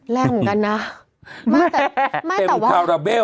แรงเหมือนกันนะ